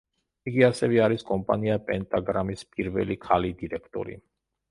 იგი ასევე არის კომპანია პენტაგრამის პირველი, ქალი დირექტორი.